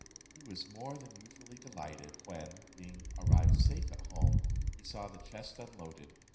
He was more than usually delighted, when, being arrived safe at home, he saw the chest unloaded.